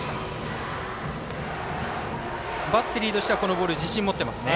バッテリーとしてはこのボール自信持っていますね。